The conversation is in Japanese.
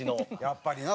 やっぱりな。